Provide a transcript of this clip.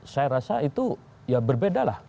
saya rasa itu ya berbeda lah